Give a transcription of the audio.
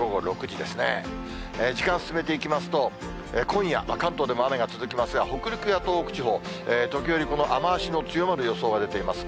時間進めていきますと、今夜、関東でも雨が続きますが、北陸や東北地方、時折、この雨足の強まる予想が出ています。